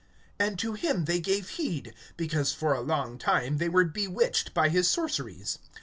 (11)And to him they gave heed, because for a long time they were bewitched by his sorceries.